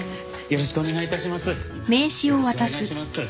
よろしくお願いします。